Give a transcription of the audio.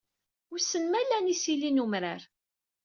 Wissen ma lan isili n umrar.